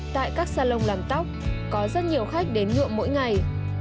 tại các salon làm tóc có rất nhiều khách đến nhuộm mỗi ngày